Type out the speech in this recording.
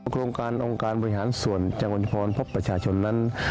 โครงการองค์การบริหารส่วนจังหวัดพรพบประชาชนนั้น